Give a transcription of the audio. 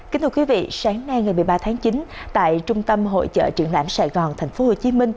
kính thưa quý vị sáng nay ngày một mươi ba tháng chín tại trung tâm hội trợ trưởng lãnh sài gòn tp hcm